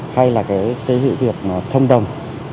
hay là cái hệ việc thông đồng